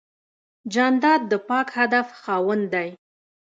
جانداد د پاک هدف خاوند دی.